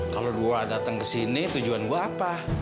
kalau dua dateng kesini tujuan gue apa